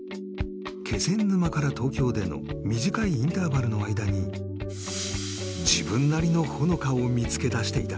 気仙沼から東京での短いインターバルの間に自分なりの穂乃果を見つけだしていた